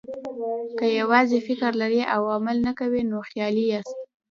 که یوازې فکر لرئ او عمل نه کوئ، نو خیالي یاست.